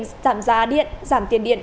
giảm giá điện giảm tiền điện